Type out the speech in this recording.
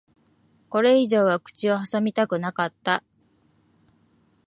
これ以上は口を挟みたくなかった。